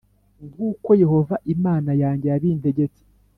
nk’uko Yehova Imana yanjye yabintegetse,